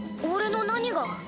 俺の何が？